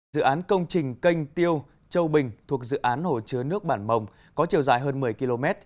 dự án công trình canh tiêu châu bình thuộc dự án hồ chứa nước bản mồng có chiều dài hơn một mươi km